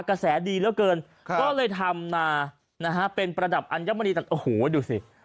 กระแสดีเหลือเกินก็เลยทำมานะฮะเป็นประดับอัญมณีโอ้โหดูสิ